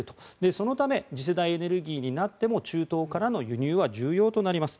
そのため次世代エネルギーになっても中東からの輸入は重要となります。